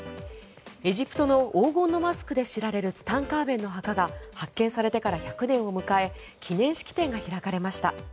エジプトの黄金のマスクで知られるツタンカーメンの墓が発見されてから１００年を迎え記念式典が行われました。